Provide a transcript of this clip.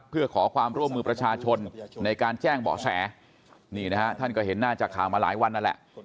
เพื่อขอความร่วมมือประชาชนในการแจ้งเบาะแสนี่นะฮะท่านก็เห็นหน้าจากข่าวมาหลายวันนั่นแหละ